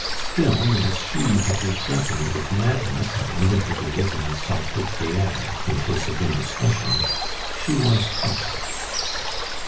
Still, as she had been threatened with madness, and ending her days in the Salpetriere in case of indiscretion, she was cautious.